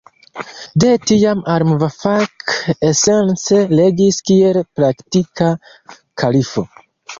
De tiam, al-Muvafak esence regis kiel praktika kalifo.